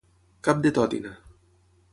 Cap de tòtina.